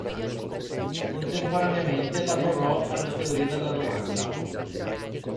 Contemporaneamente lavorò alla teoria della domanda.